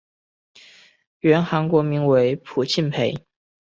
原韩国名为朴庆培。